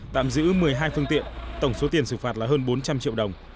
tạm giữ một mươi hai phương tiện tổng số tiền xử phạt là hơn bốn trăm linh triệu đồng